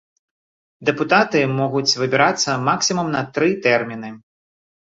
Дэпутаты могуць выбірацца максімум на тры тэрміны.